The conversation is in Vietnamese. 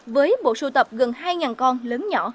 với bộ sưu tập gần hai con lớn nhỏ